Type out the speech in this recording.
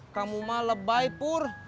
kamu mah lebay pur